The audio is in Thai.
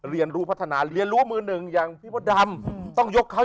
เรียนรู้พัฒนาเรียนรู้มือหนึ่งอย่างพี่มดดำต้องยกเขา